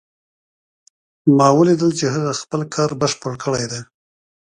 ما ولیدل چې هغې خپل کار بشپړ کړی ده